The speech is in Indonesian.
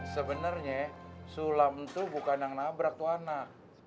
sebenernya sulam tuh bukan yang nabrak anak